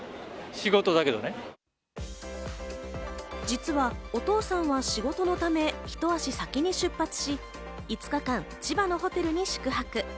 実はお父さんは仕事のため、ひと足先に出発し、５日間、千葉のホテルに宿泊。